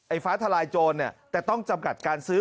ฟ้าทลายโจรเนี่ยแต่ต้องจำกัดการซื้อ